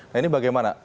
nah ini bagaimana